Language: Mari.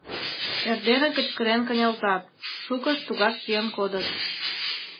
Эрдене кычкырен кынелтат — шукышт тугак киен кодыт.